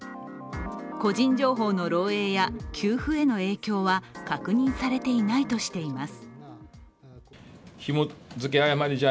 個人情報の漏えいや給付への影響は確認されていないとしています。